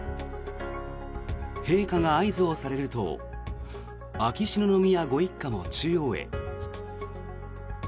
陛下が合図をされると秋篠宮ご一家も中央へ。